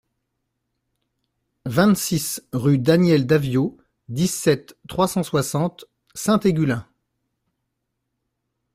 vingt-six rue Daniel Daviaud, dix-sept, trois cent soixante, Saint-Aigulin